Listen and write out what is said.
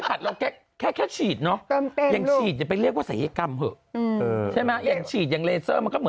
พี่ผัดเป็นรักษาการอยู่